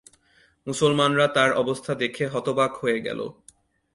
মুসলমানরা তার অবস্থা দেখে হতবাক হয়ে গেল।